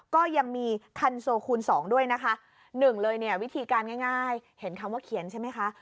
ก็ยังมีคันโซคูณสองด้วยนะคะหนึ่งเลยเนี่ยวิธีการง่ายเห็นคำว่าเขียนใช่ไหมคะ